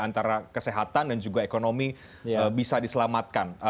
antara kesehatan dan juga ekonomi bisa diselamatkan